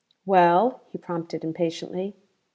"Well?" he prompted impatiently.